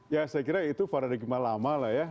ya saya kira itu paradigma lama lah ya